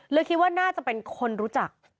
คิดว่าน่าจะเป็นคนรู้จัก